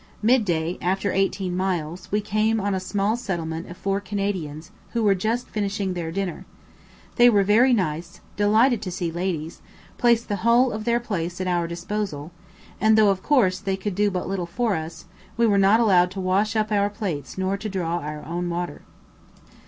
Mid day, after eighteen miles, we came on a small settlement of four Canadians, who were just finishing their dinner. They were very nice, delighted to see ladies, placed the whole of their place at our disposal, and though, of course, they could do but little for us, we were not allowed to wash up our plates nor to draw our own water.